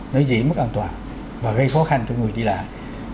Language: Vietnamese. nó dễ mất an toàn và gây khó khăn cho người đi lại